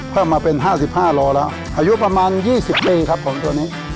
เพิ่งมาเป็นห้าสิบห้าโลแล้วอายุประมาณยี่สิบปีครับผมตัวนี้